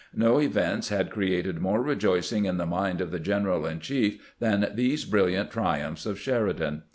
No events had created more rejoicing in the mind of the general in chief than these brilliant triumphs of Sheridan.